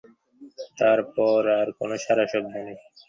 তারপর আর কোনো সাড়াশব্দ নেই।